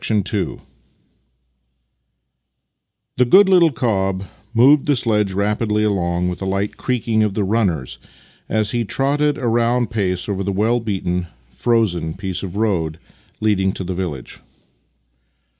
II The gooc little cob moved the sledge rapidly along with a light creaking of the runners as he trotted at a round pace over the well beaten, frozen piece of road leading to the village.